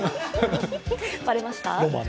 バレました？